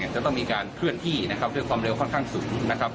จะต้องมีการเคลื่อนที่นะครับด้วยความเร็วค่อนข้างสูงนะครับ